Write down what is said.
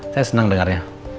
saya senang dengarnya